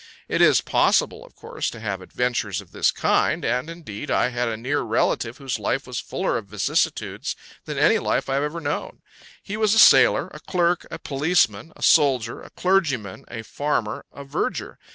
It is possible, of course, to have adventures of this kind, and, indeed, I had a near relative whose life was fuller of vicissitudes than any life I have ever known: he was a sailor, a clerk, a policeman, a soldier, a clergyman, a farmer, a verger.